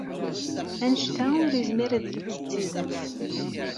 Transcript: Anect-a ur yezmir ad yili d tidet.